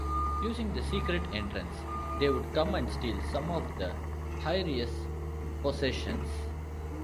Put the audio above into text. Using the secret entrance, they would come and steal some of Hyrieus' possessions.